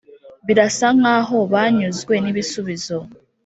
birasa nkaho banyuzwe nibisubizo.